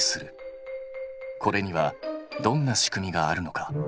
これにはどんな仕組みがあるのか？